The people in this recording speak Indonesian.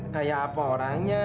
kayak apa orangnya